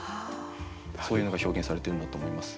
そういうのが表現されているんだと思います。